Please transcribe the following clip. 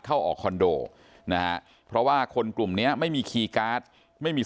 เข้าออกคอนโดนะฮะเพราะว่าคนกลุ่มเนี้ยไม่มีคีย์การ์ดไม่มี